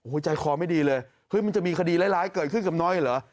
ใจคอไม่ดีเลยเฮ้ยมันจะมีคดีร้ายเกิดขึ้นกับน้อยเหรอ